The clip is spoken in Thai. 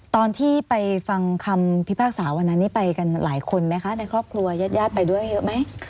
ตอนที่ไปฟังคำพิพากษาวันนั้นนี้ไปกันหลายคนไหมคะในครอบครัวญาติญาติไปด้วยเยอะไหม